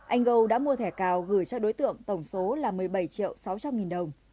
anh go đã mua thẻ cào gửi cho đối tượng tổng số là một mươi bảy triệu sáu trăm linh nghìn đồng